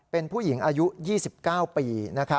เป็นผู้หญิงอายุ๒๙ปี